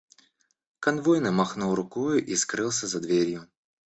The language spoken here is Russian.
— Конвойный махнул рукою и скрылся за дверью.